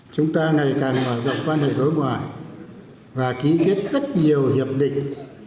chúng ta ngày càng mở rộng quan hệ đối ngoại và ký kết rất nhiều hiệp định